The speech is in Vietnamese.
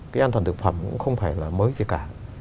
cái an toàn thực phẩm cũng không phải là mới gì cả